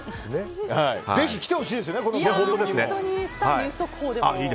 ぜひ、来てほしいですね。